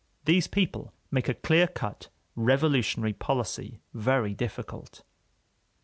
These people make a clear cut revolutionary policy very difficult.